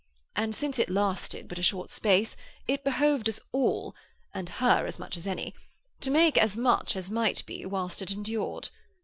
And since it lasted but a short space it behoved us all and her as much as any to make as much as might be whilst it endured.